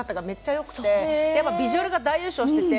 やっぱビジュアルが大優勝してて。